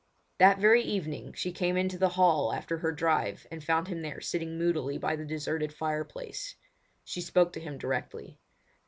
That very evening she came into the hall after her drive and found him there sitting moodily by the deserted fireplace. She spoke to him directly.